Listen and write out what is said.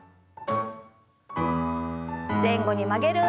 前後に曲げる運動です。